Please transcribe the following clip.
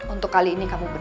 untuk kali ini kamu